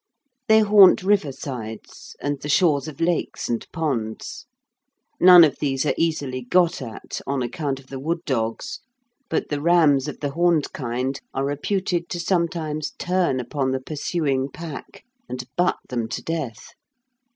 They haunt river sides, and the shores of lakes and ponds. None of these are easily got at, on account of the wood dogs; but the rams of the horned kind are reputed to sometimes turn upon the pursuing pack, and butt them to death.